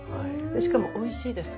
しかもおいしいです。